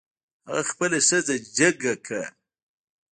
هغه خپله ښځه جګه کړه.